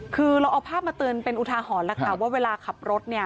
คือเราเอาภาพมาเตือนเป็นอุทาหรณ์แล้วค่ะว่าเวลาขับรถเนี่ย